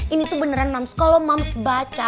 ini tuh beneran mams kalo mams baca